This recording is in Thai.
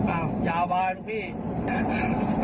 อ้าวยาวบ้านพี่